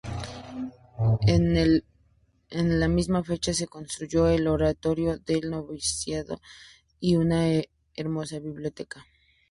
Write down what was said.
En la misma fecha se construyó el oratorio del noviciado y una hermosa biblioteca.